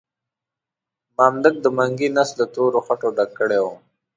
مامدک د منګي نس له تورو خټو ډک کړی وو.